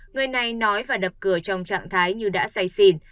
người này nói và đập cửa trong trạng thái như đã say xỉn